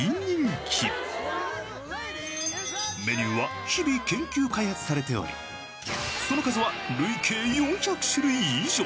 メニューは日々研究開発されておりその数は累計４００種類以上。